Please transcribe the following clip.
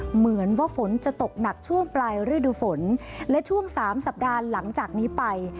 เหมือนว่าฝนจะตกหนักช่วงปลายฤดูฝนและช่วงสามสัปดาห์หลังจากนี้ไป